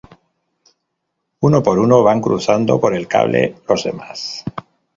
Uno por uno van cruzando por el cable los demás.